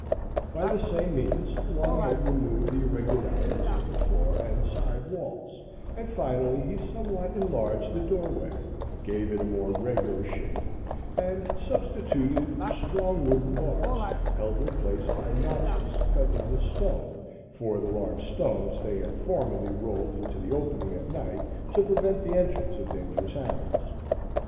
By the same means Longhead removed the irregularities of the floor and side walls, and finally he somewhat enlarged the doorway, gave it a more regular shape, and substituted strong wooden bars, held in place by notches cut in the stone, for the large stones they had formerly rolled into the opening at night to prevent the entrance of dangerous animals.